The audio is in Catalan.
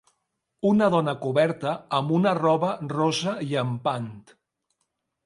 Una dona coberta amb una roba rosa llampant.